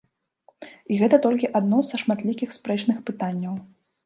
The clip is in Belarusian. І гэта толькі адно са шматлікіх спрэчных пытанняў.